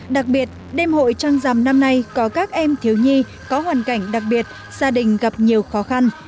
đặc biệt đêm hội trăng rằm năm nay có các em thiếu nhi có hoàn cảnh đặc biệt gia đình gặp nhiều khó khăn